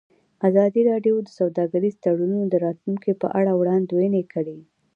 ازادي راډیو د سوداګریز تړونونه د راتلونکې په اړه وړاندوینې کړې.